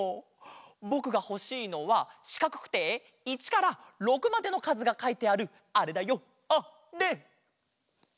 ぼくがほしいのはしかくくて１から６までのかずがかいてあるあれだよあれ！